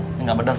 ini nggak benar